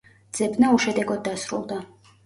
ძებნა უშედეგოდ დასრულდა.